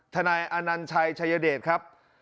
นายอนัญชัยชายเดชครับ